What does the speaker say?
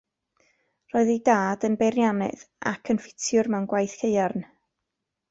Roedd ei dad yn beiriannydd ac yn ffitiwr mewn gwaith haearn.